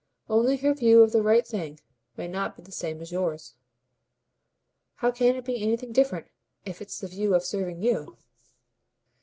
Only her view of the right thing may not be the same as yours." "How can it be anything different if it's the view of serving you?"